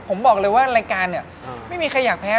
ผมบอกเลยว่ารายการเนี่ยไม่มีใครอยากแพ้